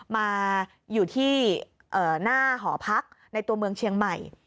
มาอยู่ที่หน้าหอพักในตัวเมืองเชียงใหม่